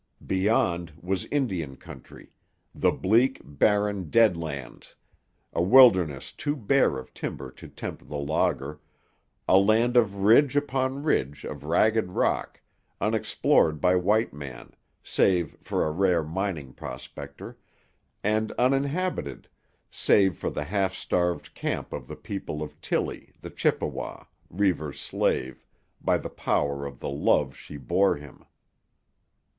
Beyond was Indian country, the bleak, barren Dead Lands, a wilderness too bare of timber to tempt the logger, a land of ridge upon ridge of ragged rock, unexplored by white man, save for a rare mining prospector, and uninhabited save for the half starved camp of the people of Tillie, the Chippewa, Reivers' slave, by the power of the love she bore him.